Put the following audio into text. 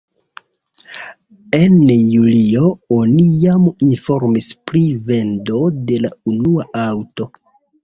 En julio oni jam informis pri vendo de la unua aŭto.